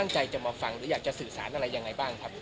ใจจะมาฟังหรืออยากจะสื่อสารสักอย่างไรขี่กับใครบ้างครับ